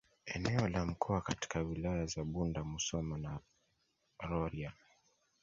Eneo la mkoa katika Wilaya za Bunda Musoma na Rorya